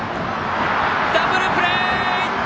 ダブルプレー！